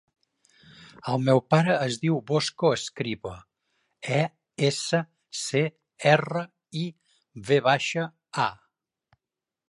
El meu pare es diu Bosco Escriva: e, essa, ce, erra, i, ve baixa, a.